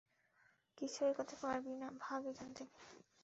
কিছুই করতে পারবি না, ভাগ এখানে থেকে।